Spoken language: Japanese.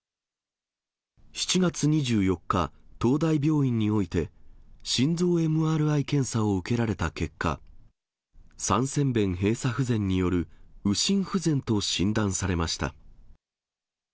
７月２４日、東大病院において、心臓ＭＲＩ検査を受けられた結果、三尖弁閉鎖不全による右心不全と診断されました。